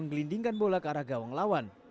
menggelindingkan bola ke arah gawang lawan